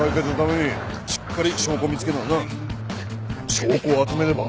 証拠を集めねば。